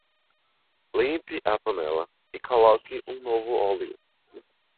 Limpe a panela e coloque um novo óleo.